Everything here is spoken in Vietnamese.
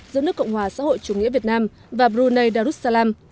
giữa nước cộng hòa xã hội chủ nghĩa việt nam và brunei darussalam